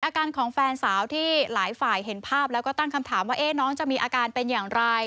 อาการของแฟนสาวที่หลายฝ่ายเห็นภาพแล้วก็ตั้งคำถามว่าน้องจะมีอาการเป็นอย่างไร